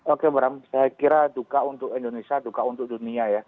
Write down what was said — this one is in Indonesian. oke bram saya kira duka untuk indonesia duka untuk dunia ya